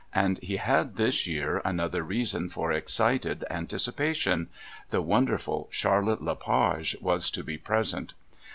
And he had this year another reason for excited anticipation the wonderful Charlotte Le Page was to be present.